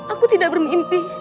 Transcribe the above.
aku tidak bermimpi